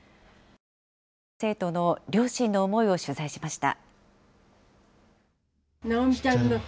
亡くなった生徒の両親の思いを取材しました。